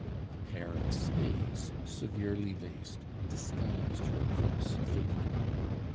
A pair of stays, severely laced, disguised her cook's figure.